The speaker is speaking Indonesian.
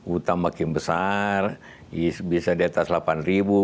utang makin besar bisa diatas delapan ribu